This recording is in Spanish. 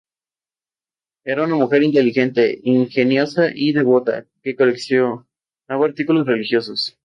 Prolífico escritor, su capacidad de síntesis es notable.